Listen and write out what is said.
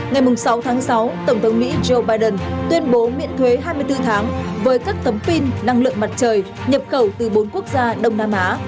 ngày sáu tháng sáu tổng thống mỹ joe biden tuyên bố miễn thuế hai mươi bốn tháng với các tấm pin năng lượng mặt trời nhập khẩu từ bốn quốc gia đông nam á